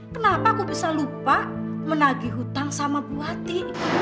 kenapa aku bisa lupa menagih hutang sama bu ati